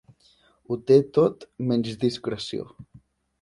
Ho té tot menys discreció.